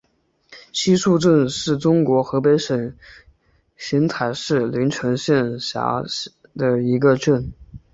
西竖镇是中国河北省邢台市临城县下辖的一个镇。